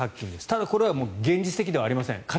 ただ、これは家庭では現実的ではありません。